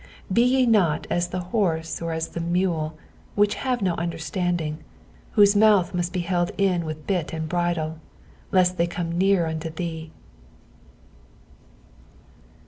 g Be ye not as the horse, or as the mule, iv/iich have no under standing : whose mouth must be held in with bit and bridle, lest they come near unto thee.